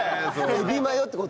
エビマヨって事？